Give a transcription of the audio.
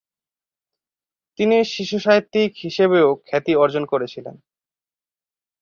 তিনি শিশুসাহিত্যিক হিসেবেও খ্যাতি অর্জন করেছিলেন।